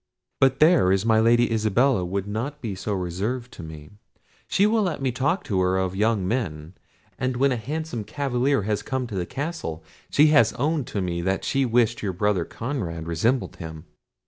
But there is my Lady Isabella would not be so reserved to me: she will let me talk to her of young men: and when a handsome cavalier has come to the castle, she has owned to me that she wished your brother Conrad resembled him."